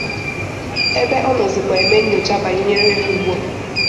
ebe a nọzịkwa eme nnyocha banyere ha ugbua.